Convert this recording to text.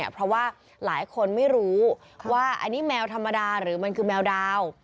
เพราะว่าหลายคนไม่รู้ว่าอันนี้แมวธรรมดาหรือมันคือแมวดาว